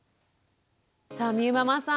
さあみゆママさん